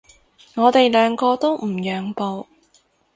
我哋兩個都唔讓步